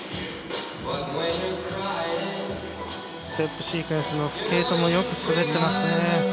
ステップシークエンスのスケートもよく滑ってますね。